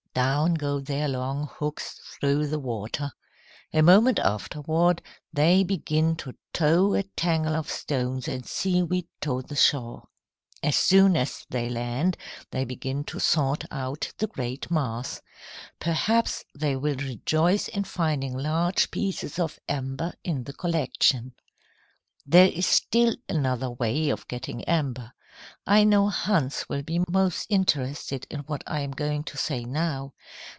Down go their long hooks through the water. A moment afterward, they begin to tow a tangle of stones and seaweed to the shore. As soon as they land, they begin to sort out the great mass. Perhaps they will rejoice in finding large pieces of amber in the collection. "There is still another way of getting amber. I know Hans will be most interested in what I am going to say now.